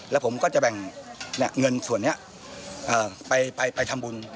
แล้วผมก็จะแบ่งเงินส่วนนี้ไปทำบุญ